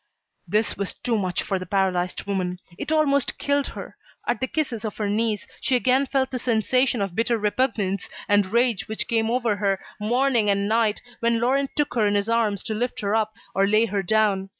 This was too much for the paralysed woman. It almost killed her. At the kisses of her niece, she again felt that sensation of bitter repugnance and rage which came over her, morning and night, when Laurent took her in his arms to lift her up, or lay her down.